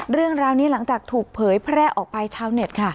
เรื่องราวนี้หลังจากถูกเผยแพร่ออกไปชาวเน็ตค่ะ